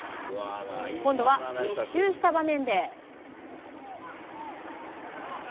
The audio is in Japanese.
今度は密集した場面で。